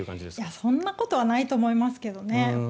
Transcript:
そんなことはないと思いますけどね。